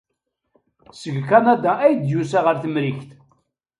Seg Kanada ay d-yusa ɣer Temrikt.